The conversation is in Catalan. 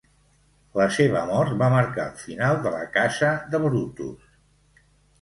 La seva mort va marcar el final de la casa de Brutus.